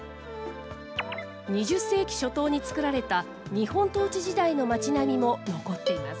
２０世紀初頭に作られた日本統治時代の街並みも残っています。